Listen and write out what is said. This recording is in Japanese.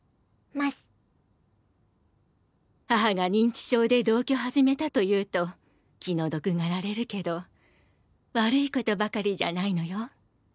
母が認知症で同居始めたと言うと気の毒がられるけど悪いことばかりじゃないのよ。